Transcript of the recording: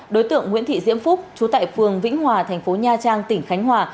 đối tượng nguyễn thị diễm phúc chú tại phường vĩnh hòa thành phố nha trang tỉnh khánh hòa